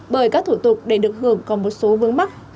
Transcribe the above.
bởi các thủ tục để được hưởng còn một số vướng mắt